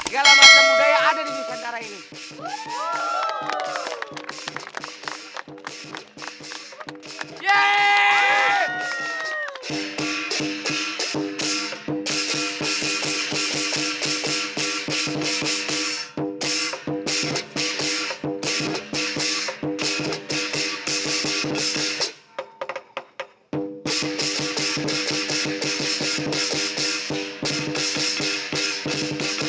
gala masa muda yang ada di desa antara ini